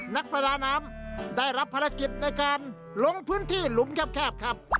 นักประดาน้ำได้รับภารกิจในการลงพื้นที่หลุมแคบครับ